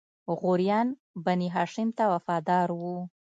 غوریان بنی هاشم ته وفادار وو.